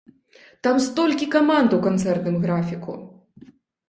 Там столькі каманд у канцэртным графіку!